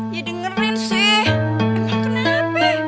ya dengerin sih kenapa